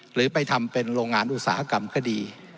หรือไปทำเป็นโรงงานอุตสาหกรรมก็ดี